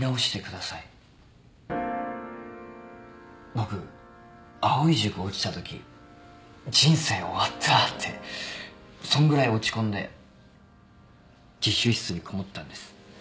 僕藍井塾落ちたとき人生終わったってそんぐらい落ち込んで自習室にこもったんです。